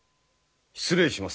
失礼します。